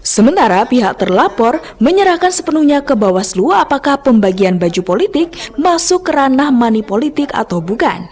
sementara pihak terlapor menyerahkan sepenuhnya ke bawah slu apakah pembagian baju politik masuk kerana mani politik atau bukan